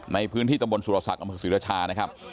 ในพื้นที่ตำบลสุรษัตริย์อศิรชานะครับ